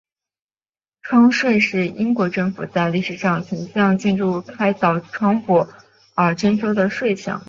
窗税是英国政府在历史上曾向建筑物开凿窗户而征收的税项。